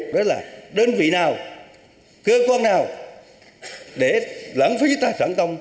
đó là đơn vị nào cơ quan nào để lãng phí tài sản